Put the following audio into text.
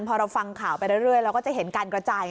พอเราฟังข่าวไปเรื่อยเราก็จะเห็นการกระจาย